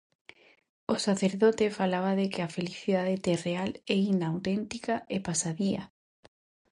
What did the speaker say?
O sacerdote falaba de que a felicidade terreal é inauténtica e pasadía.